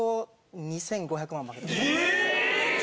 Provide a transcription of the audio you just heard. え！